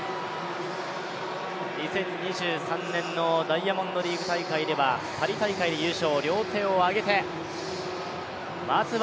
２０２３年のダイヤモンドリーグ大会ではパリ大会で優勝。